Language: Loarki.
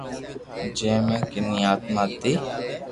جي مي ڪني آتما ھتي